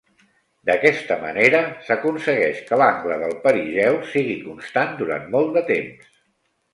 D'aquesta manera s'aconsegueix que l'angle del perigeu sigui constant durant molt de temps.